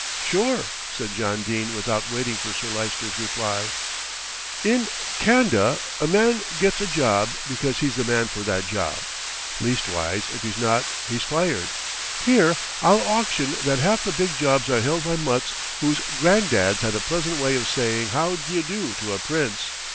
"Sure," said John Dene without waiting for Sir Lyster's reply. "In Can'da a man gets a job because he's the man for that job, leastwise if he's not he's fired. Here I'll auction that half the big jobs are held by mutts whose granddad's had a pleasant way of saying how d'ye do to a prince.